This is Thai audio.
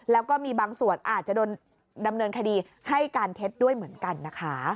แล้วก็มีบางส่วนอาจจะโดนดำเนินคดีให้การเท็จด้วยเหมือนกันนะคะ